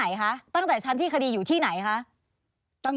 แน่นอนครับแน่นอน